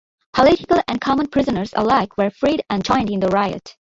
Political and common prisoners alike were freed and joined in the riot.